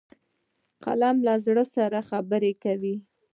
قلم له زړه سره خبرې کوي